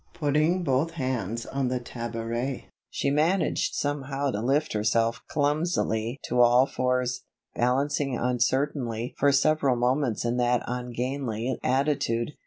Putting both hands on the tabouret, she managed somehow to lift herself clumsily to all fours, balancing uncertainly for several moments in that ungainly attitude.